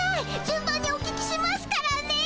じゅん番にお聞きしますからね。